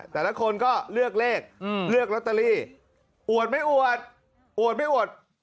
แต่ละคนก็เลือกเลขเลือกลอตเตอรี่อวดไม่อวดอวดไม่อวด